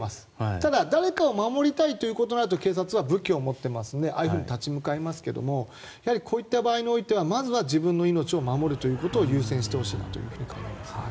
ただ、誰かを守りたいということになると警察は武器を持っていますのでああいうふうに立ち向かいますがやはりこういった場合においてはまずは自分の命を守ることを優先してほしいなと考えますね。